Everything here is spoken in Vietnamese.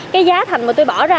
cái giá thành mà tôi bỏ ra